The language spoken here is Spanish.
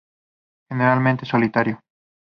Generalmente solitario.